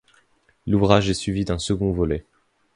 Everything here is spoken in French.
L'ouvrage est suivi d'un second volet.